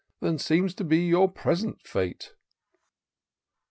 Than seems to be your present fate."